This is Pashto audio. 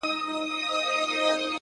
سیاه پوسي ده؛ دا دی لا خاندي؛